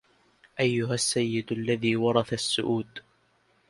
أيها السيد الذي ورث السؤدد